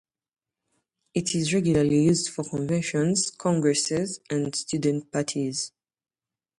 It is regularly used for conventions, congresses and student parties.